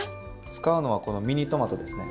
使うのはこのミニトマトですね。